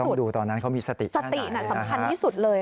ต้องดูตอนนั้นเขามีสติสติน่ะสำคัญที่สุดเลย